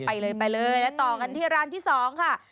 ไปเลยไปเลยแล้วต่อกันที่ร้านที่๒ค่ะ